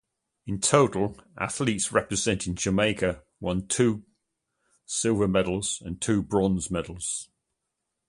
In total athletes representing Jamaica won two silver medals and two bronze medals.